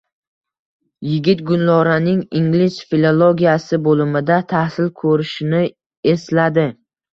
Yigit Gulnoraning ingliz filologiyasi boʼlimida tahsil koʼrishini esladi…